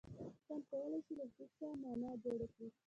انسان کولای شي له هېڅه مانا جوړ کړي.